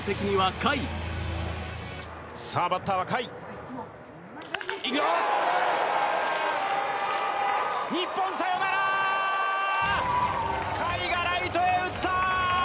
甲斐がライトへ打った！